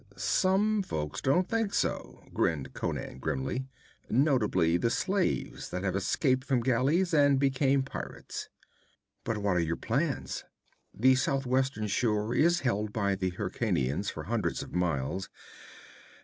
'Some folk don't think so,' grinned Conan grimly; 'notably the slaves that have escaped from galleys and become pirates.' 'But what are your plans?' 'The southwestern shore is held by the Hyrkanians for hundreds of miles.